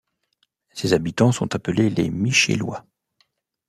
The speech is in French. Ses habitants sont appelés les Michellois.